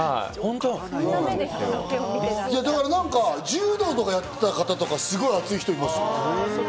柔道とかやってた方ってすごい熱い人います。